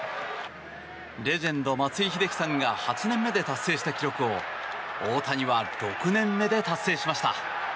レジェンド・松井秀喜さんが８年目で達成した記録を大谷は６年目で達成しました。